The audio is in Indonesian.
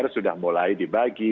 sudah mulai dibagi